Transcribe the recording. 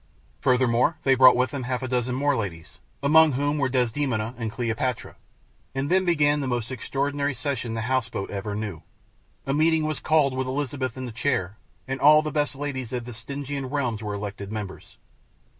Furthermore, they brought with them half a dozen more ladies, among whom were Desdemona and Cleopatra, and then began the most extraordinary session the house boat ever knew. A meeting was called, with Elizabeth in the chair, and all the best ladies of the Stygian realms were elected members.